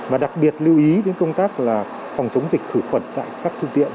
và đặc biệt lưu ý đến công tác là phòng chống dịch khử khuẩn tại các phương tiện